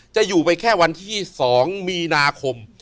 จะอยู่ไปแค่วันที่๒มีนาคม